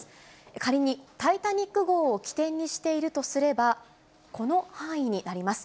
仮にタイタニック号を基点にしているとすれば、この範囲になります。